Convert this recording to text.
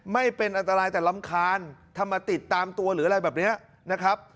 ไม่เป็นอันตรายแต่รำคาญถ้ามาติดตามตัวหรืออะไรแบบนี้นะครับ